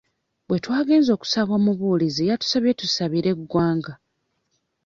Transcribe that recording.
Bwe twagenze okusaba omubuulizi yatusabye tusabire eggwanga